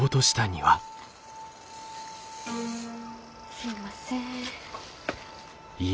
すみません。